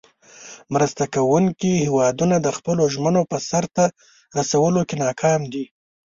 مرسته کوونکې هیوادونه د خپلو ژمنو په سر ته رسولو کې ناکام دي.